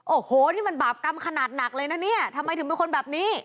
โอ้โหนี่มันบาปกรรมขนาดหนักเลยนะเนี่ยทำไมถึงเป็นคนแบบนี้